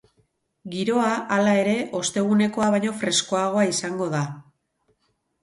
Giroa, hala ere, ostegunekoa baino freskoagoa izango da.